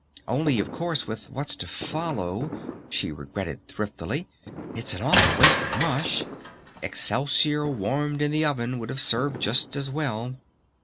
Only, of course, with what's to follow," she regretted thriftily, "it's an awful waste of mush.... Excelsior warmed in the oven would have served just as well."